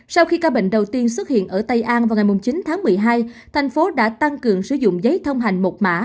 sau khi ca bệnh đầu tiên xuất hiện ở tây an vào ngày chín tháng một mươi hai thành phố đã tăng cường sử dụng giấy thông hành một mã